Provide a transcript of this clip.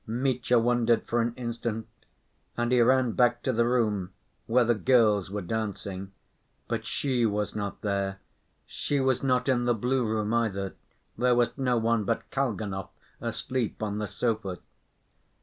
Mitya wondered for an instant, and he ran back to the room where the girls were dancing. But she was not there. She was not in the blue room either; there was no one but Kalganov asleep on the sofa.